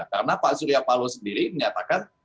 karena pak surya paloh sendiri menyatakan